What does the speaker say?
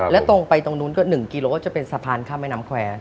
แล้วตรงไปตรงนู้นก็๑กิโลจะเป็นสะพานข้ามแม่น้ำแควร์